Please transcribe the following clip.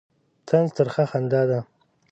طنز ترخه خندا ده.